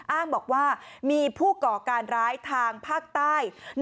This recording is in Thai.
อ้างบอกว่ามีผู้ก่อการร้ายทางภาคใต้